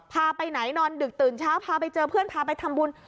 พาไปไหนนอนดึกตื่นเช้าพาไปเจอเพื่อนพาไปทำบุญ